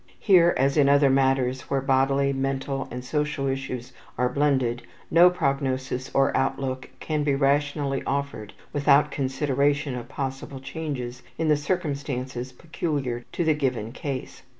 Here, as in other matters where bodily, mental, and social issues are blended, no prognosis or outlook can be rationally offered without consideration of possible changes in the circumstances peculiar to the given case.